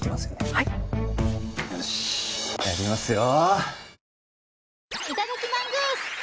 はいよしっやりますよ